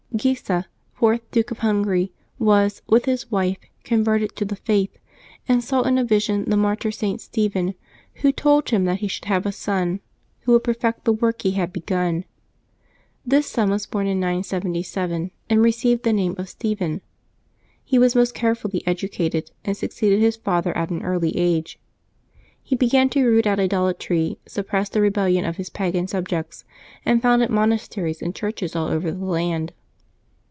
eEYSA, fourth Duke of Hungary, was, with his wife, converted to the Faith, and saw in a vision the mar tyr St. Stephen, who told him that he should have a son who would perfect the work he had begun. This son was born in 977, and received the name of Stephen. He was most carefully educated, and succeeded his father at an early age. He began to root out idolatry, suppressed a rebellion of his pagan subjects, and founded monasteries and churches all over the land.